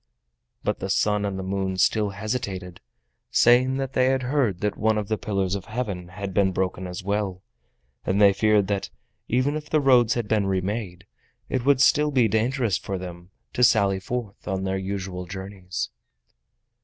But the Sun and the Moon still hesitated, saying that they had heard that one of the pillars of Heaven had been broken as well, and they feared that, even if the roads had been remade, it would still be dangerous for them to sally forth on their usual journeys.